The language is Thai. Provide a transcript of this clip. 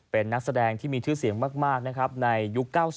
เป็นนักแสดงที่มีทื้อเสียงมากในยุค๙๐